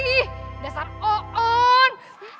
ih dasar oon